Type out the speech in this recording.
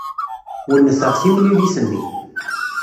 Wennteɣ timlilit-nni.